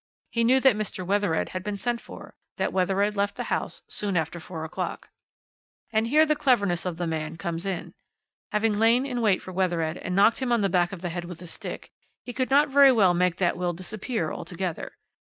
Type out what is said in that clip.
He knew that Mr. Wethered had been sent for, that Wethered left the house soon after four o'clock. "And here the cleverness of the man comes in. Having lain in wait for Wethered and knocked him on the back of the head with a stick, he could not very well make that will disappear altogether.